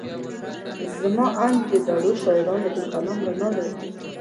زما اند د زړو شاعرانو د کلام رڼا لري.